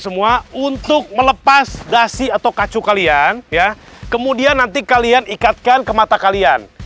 semua untuk melepas dasi atau kacu kalian ya kemudian nanti kalian ikatkan ke mata kalian